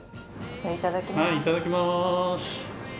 いただきます。